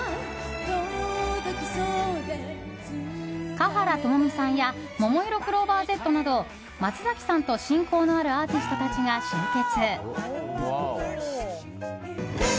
華原朋美さんやももいろクローバーＺなど松崎さんと親交のあるアーティストたちが集結。